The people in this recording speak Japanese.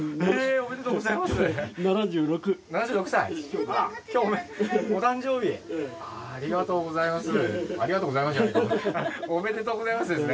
おめでとうございますですね！